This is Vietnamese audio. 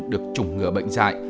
được trùng ngừa bệnh giải